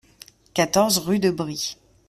quatorze rue de Bry